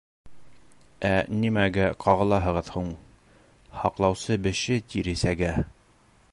Ә нимәгә ҡағылаһығыҙ һуң? һаҡлаусы беше тиресәгә.